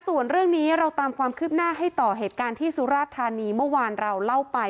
ส่วนเรื่องนี้เราตามความคืบหน้าให้ต่อเหตุการณ์ที่สุราธานีเมื่อวานเราเล่าไป